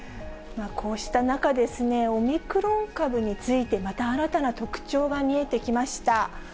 こうした中、オミクロン株について、また新たな特徴が見えてきました。